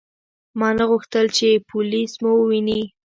ما نه غوښتل چې پولیس مو وویني.